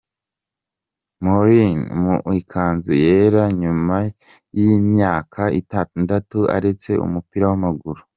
Murlyne mu ikanzu yera nyuma y'imyaka itandatu aretse umupira w'amaguru.